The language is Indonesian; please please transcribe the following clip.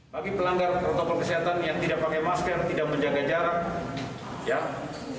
bagi pelanggar protokol kesehatan yang tidak pakai masker tidak menjaga jarak